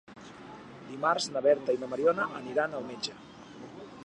Dimarts na Berta i na Mariona aniran al metge.